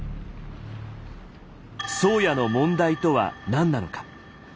「宗谷」の問題とは何なのか。